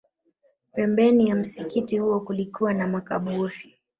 Pembeni ya msikiti huo kulikuwa na makaburi